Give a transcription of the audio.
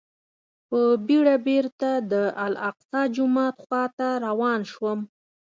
په بېړه بېرته د الاقصی جومات خواته روان شوم.